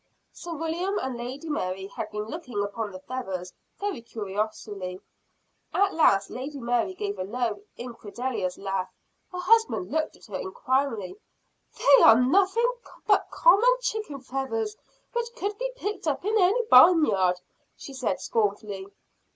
Sir William and Lady Mary had been looking upon the feathers very curiously. At last Lady Mary gave a low, incredulous laugh. Her husband looked at her inquiringly. "They are nothing but common chicken feathers which could be picked up in any barn yard," she said scornfully.